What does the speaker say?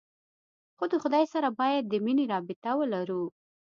خو د خداى سره بايد د مينې رابطه ولرو.